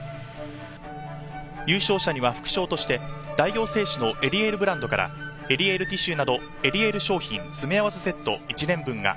優勝者には副賞として、大王製紙のエリエールブランドからエリエールティシューなどエリエール商品詰め合わせセット１年分が、